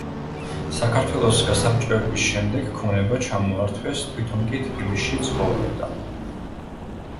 საქართველოს გასაბჭოების შემდეგ ქონება ჩამოართვეს, თვითონ კი თბილისში ცხოვრობდა.